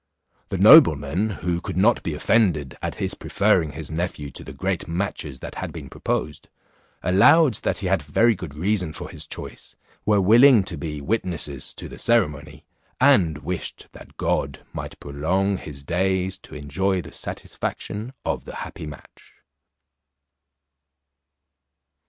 The noblemen, who could not be offended at his preferring his nephew to the great matches that had been proposed, allowed that he had very good reason for his choice, were willing to be witnesses to the ceremony, and wished that God might prolong his days to enjoy the satisfaction of the happy match.